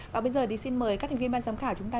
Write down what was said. và bây giờ thì xin mời các thành viên ban giám khảo chúng ta